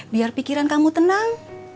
biar pikiran kamu tenang